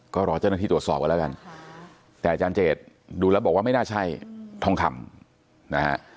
ก็รอเจ้าหน้าที่ตรวจสอบกันแล้วกันแต่อาจารย์เจดดูแล้วบอกว่าไม่น่าใช่ทองคำนะฮะ